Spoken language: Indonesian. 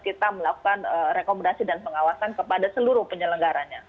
kita melakukan rekomendasi dan pengawasan kepada seluruh penyelenggaranya